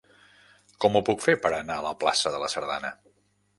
Com ho puc fer per anar a la plaça de la Sardana?